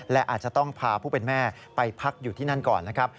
และอาจจะต้องพาผู้เป็นแม่ไปพักอยู่ที่นั่นก่อนนะครับ